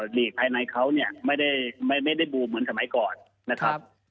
หลีกภายในเขาเนี่ยไม่ได้บูมเหมือนสมัยก่อนนะครับ